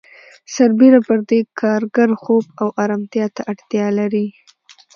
سربېره پر دې کارګر خوب او آرامتیا ته اړتیا لري